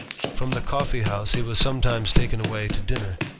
From be coffee house he was sometimes taken away to dinner